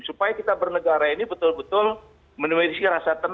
supaya kita bernegara ini betul betul memiliki rasa tenang